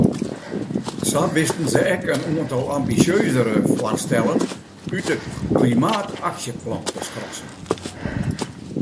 Sa wisten se ek in oantal ambisjeuzere foarstellen út it klimaataksjeplan te skrassen.